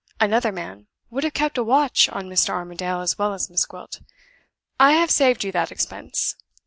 Another man would have kept a watch on Mr. Armadale as well as Miss Gwilt. I have saved you that expense.